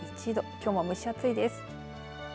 きょうも蒸し暑いです。